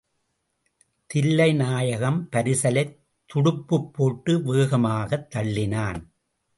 தில்லைநாயகம் பரிசலைத் துடுப்புப்போட்டு வேகமாகத் தள்ளினான்.